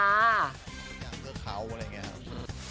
อยากเลือกเขาอะไรอย่างนี้ครับ